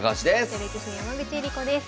女流棋士の山口恵梨子です。